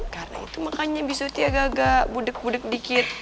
karena itu makanya bi surti agak agak budeg budeg dikit